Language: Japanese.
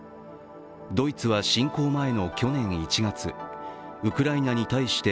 ドイツは侵攻前の去年１月、ウクライナに対して